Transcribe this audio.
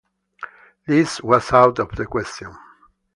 Liz was out of the question.